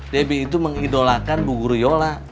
debbie itu mengidolakan bu guru yola